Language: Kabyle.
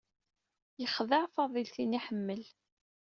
Yexdeɛ Fadil tin ay iḥemmel.